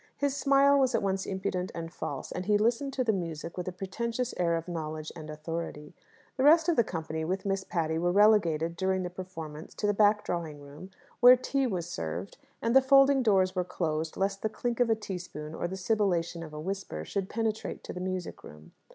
His smile was at once impudent and false, and he listened to the music with a pretentious air of knowledge and authority. The rest of the company, with Miss Patty, were relegated, during the performance, to the back drawing room, where tea was served; and the folding doors were closed, lest the clink of a teaspoon, or the sibillation of a whisper, should penetrate to the music room.